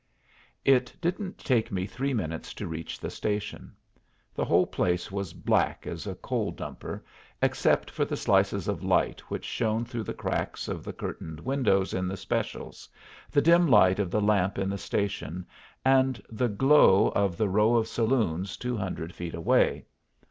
It didn't take me three minutes to reach the station. The whole place was black as a coal dumper, except for the slices of light which shone through the cracks of the curtained windows in the specials, the dim light of the lamp in the station, and the glow of the row of saloons two hundred feet away.